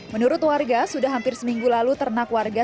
menurut warga sudah hampir seminggu lalu ternak warga